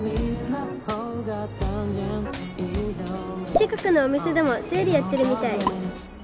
近くのお店でもセールやってるみたい！